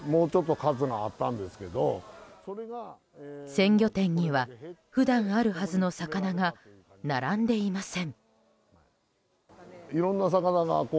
鮮魚店には普段あるはずの魚が並んでいません。